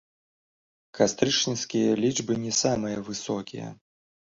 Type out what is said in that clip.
Кастрычніцкія лічбы не самыя высокія.